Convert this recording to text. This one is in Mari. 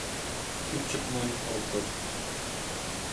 Кӱпчык монь ок кой.